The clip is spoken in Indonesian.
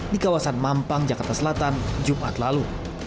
di kawasan mampang jakarta selatan jumat lalu